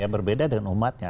berbeda dengan umatnya